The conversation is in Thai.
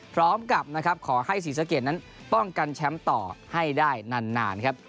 พร้อมกับนะครับขอให้ศรีสะเกดนั้นป้องกันแชมป์ต่อให้ได้นานครับ